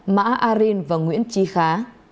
mã arin và nguyễn tri khá